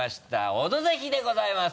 オドぜひでございます！」